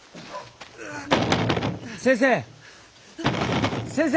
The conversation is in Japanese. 先生先生！